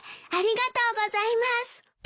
ありがとうございます。